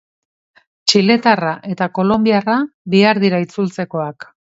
Txiletarra eta kolonbiarra bihar dira itzultzekoak.